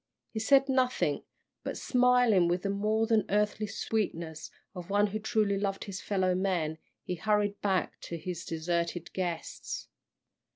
He said nothing, but smiling with the more than earthly sweetness of one who truly loved his fellow men, he hurried back to his deserted guests.